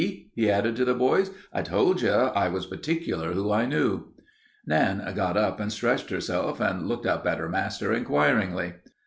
he added to the boys. "I told you I was partic'lar who I knew." Nan got up and stretched herself and looked up at her master inquiringly.